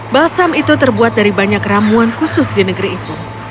balsam itu terbuat dari banyak ramuan khusus di negeri itu